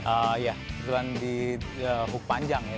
ah iya susulan di hook panjang ya